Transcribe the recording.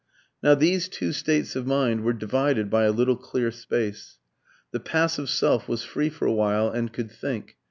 Now these two states of mind were divided by a little clear space. The passive self was free for a while and could think.